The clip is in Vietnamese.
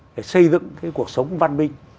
để xây dựng cái cuộc sống văn minh